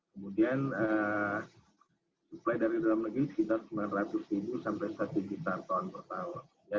kemudian suplai dari dalam negeri sekitar sembilan ratus ribu sampai satu juta ton per tahun